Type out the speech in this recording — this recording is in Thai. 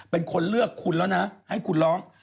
เป็นคนเลือกคุณแล้วนะให้คุณร้อง